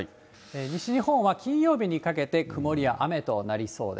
西日本は金曜日にかけて曇りや雨となりそうです。